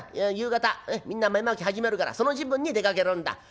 夕方みんな豆まき始めるからその時分に出かけるんだ。